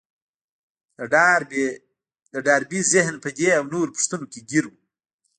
د ډاربي ذهن په دې او نورو پوښتنو کې ګير و.